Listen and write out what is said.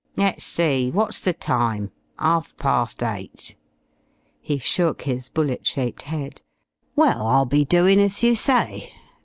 Let's see what's the time? 'Arf past eight." He shook his bullet shaped head. "Well, I'll be doin' as you say.